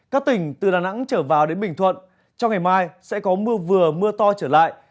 các tỉnh từ đà nẵng trở vào đến bình thuận trong ngày mai sẽ có mưa vừa mưa to trở lại